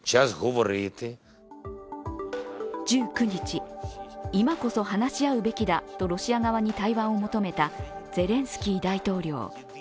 １９日、今こそ話し合うべきだとロシア側に対話を求めたゼレンスキー大統領。